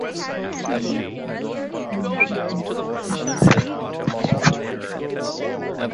See New Donskoy Cemetery for details.